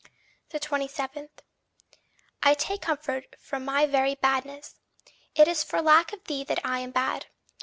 27. I take a comfort from my very badness: It is for lack of thee that I am bad.